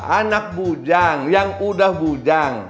anak bujang yang udah bujang